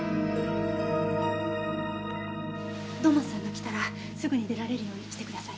土門さんが来たらすぐに出られるようにしてください。